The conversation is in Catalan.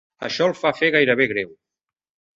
Això el fa fer gairebé greu.